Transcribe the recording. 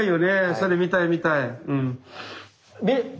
それ見たい見たい。